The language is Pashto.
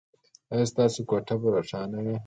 ایا ستاسو کوټه به روښانه وي؟